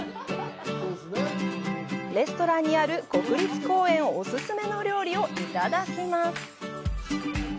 レストランにある国立公園お勧めの料理をいただきます。